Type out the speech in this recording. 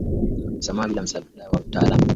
na msamaha Bila msaada wao wa mtaalam